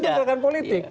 itu gerakan politik